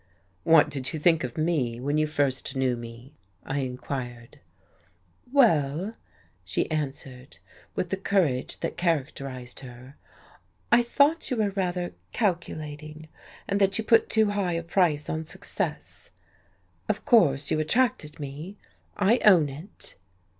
"What did you think of me, when you first knew me?" I inquired. "Well," she answered, with the courage that characterized her, "I thought you were rather calculating, that you put too high a price on success. Of course you attracted me. I own it."